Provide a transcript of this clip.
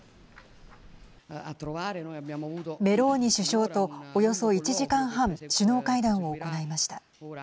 メローニ首相とおよそ１時間半首脳会談を行いました。